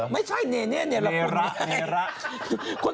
ไม่ใช่เนเนเนละคุณเน